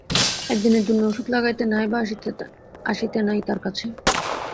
একদিনের জন্য ওষুধ লাগাইতে নাই বা আসিতে নাই তার কাছে?